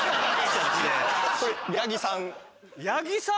八木さん